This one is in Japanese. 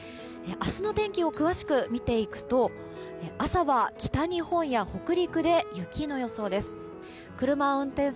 明日の天気を詳しく見ていくと朝は北日本や北陸で雪の予想です。